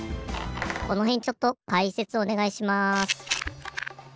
このへんちょっとかいせつおねがいします。